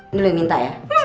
ini lo yang minta ya